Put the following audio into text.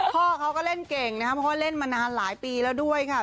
พ่อเขาก็เล่นเก่งนะครับเพราะว่าเล่นมานานหลายปีแล้วด้วยค่ะ